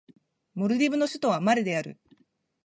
モルディブの首都はマレである